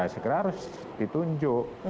sekre harus ditunjuk